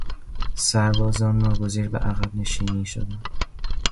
سربازان ناگزیر به عقب نشینی شدند.